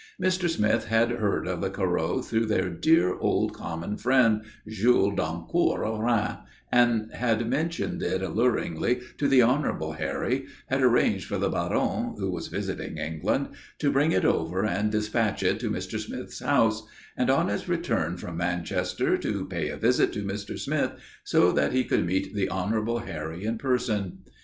Mr. Smith had heard of the Corot through their dear old common friend, Jules Dancourt of Rheims, had mentioned it alluringly to the Honourable Harry, had arranged for the Baron, who was visiting England, to bring it over and dispatch it to Mr. Smith's house, and on his return from Manchester to pay a visit to Mr. Smith, so that he could meet the Honourable Harry in person.